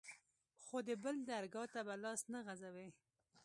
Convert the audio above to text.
خو د بل درګا ته به لاس نه غځوې.